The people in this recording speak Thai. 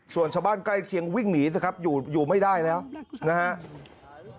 ส่วนชาวบ้านใกล้เคียงวิ่งหนีสิครับอยู่ไม่ได้แล้วนะครับ